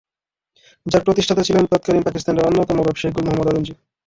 যার প্রতিষ্ঠাতা ছিলেন তৎকালীন পাকিস্তানের অন্যতম ব্যবসায়ী গুল মোহাম্মদ আদমজী।